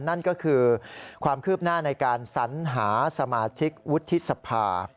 นั่นก็คือความคืบหน้าในการสัญหาสมาชิกวุฒิสภา